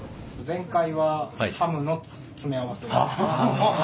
前回はハムの詰め合わせ。